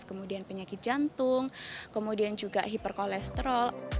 kemudian penyakit jantung kemudian juga hiperkolesterol